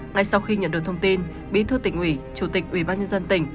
ngay sau khi nhận được thông tin bí thư tỉnh ủy chủ tịch ủy ban nhân dân tỉnh